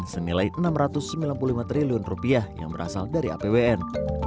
senilai rp enam ratus sembilan puluh lima triliun yang berasal dari apbn